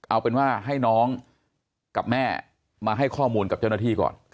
เอาเป็นว่าให้น้องกับแม่มาให้ข้อมูลกับเจ้าหน้าที่ก่อน